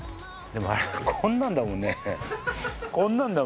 でもあれこんなんだもんね。